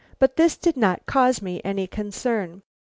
But this did not cause me any concern.